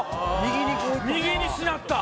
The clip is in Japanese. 右にしなった！